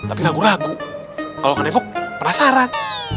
aku kalo gak nengok penasaran